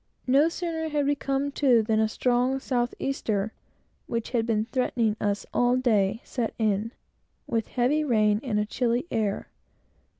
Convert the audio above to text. No sooner had we come to, than a strong south easter, which had been threatening us all day, set in, with heavy rain and a chilly atmosphere.